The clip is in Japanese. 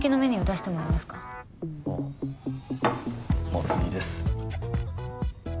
もつ煮です。